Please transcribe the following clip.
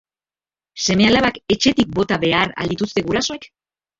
Seme-alabak etxetik bota behar al dituzte gurasoek?